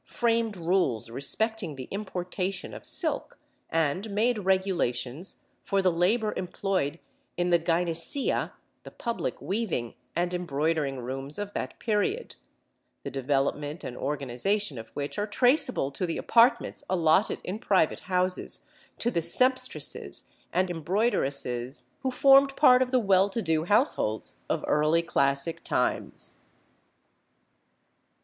framed rules respecting the importation of silk, and made regulations for the labour employed in the gynæcea, the public weaving and embroidering rooms of that period, the development and organisation of which are traceable to the apartments allotted in private houses to the sempstresses and embroideresses who formed part of the well to do households of early classic times.